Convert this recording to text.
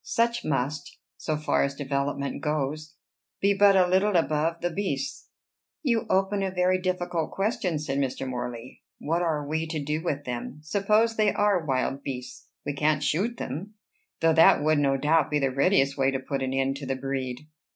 Such must, so far as development goes, be but a little above the beasts." "You open a very difficult question," said Mr. Morley: "What are we to do with them? Supposing they are wild beasts, we can't shoot them; though that would, no doubt, be the readiest way to put an end to the breed."